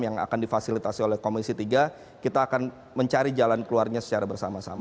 yang akan difasilitasi oleh komisi tiga kita akan mencari jalan keluarnya secara bersama sama